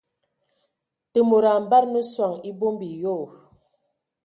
Te mod a ambada nə soŋ e abombo e yoo.